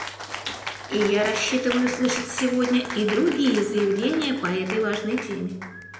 И я рассчитываю услышать сегодня и другие заявления по этой важной теме.